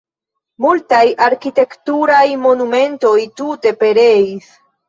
Multaj arkitekturaj monumentoj tute pereis.